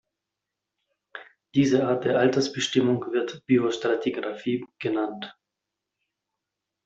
Diese Art der Altersbestimmung wird Biostratigraphie genannt.